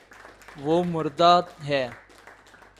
وہ مردا ہے